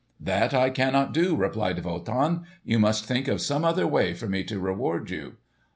"That I cannot do," replied Wotan. "You must think of some other way for me to reward you."